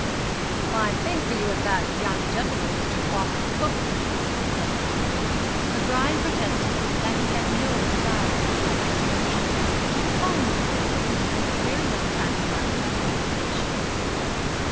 'A fine thing for you if that young gentleman were to go off the hooks,' said they; but Brian protested that he had no desire for such promotion. He was fond of the boy, and was very well satisfied with his own position.